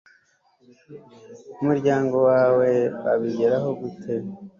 Umuryango wawe wabigeraho gute